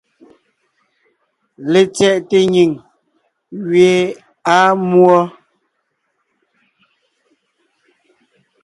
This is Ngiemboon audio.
LetsyɛꞋte nyìŋ gẅie àa múɔ.